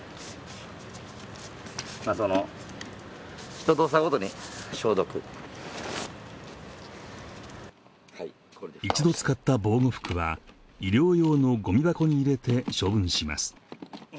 ２０分かけて隅々を一度使った防護服は医療用のゴミ箱に入れて処分します